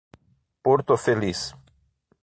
Porto Feliz